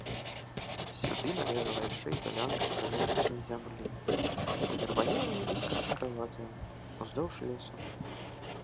Сюды належала яшчэ і дзялянка прылеснай зямлі, удзірванелая і карчакаватая, уздоўж лесу.